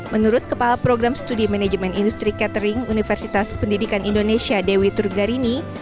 menurut kepala program studi manajemen industri catering universitas pendidikan indonesia dewi turgarini